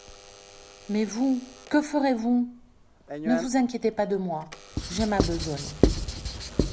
Mais vous, que ferez-vous ? Ne vous inquiétez pas de moi ; j'ai ma besogne.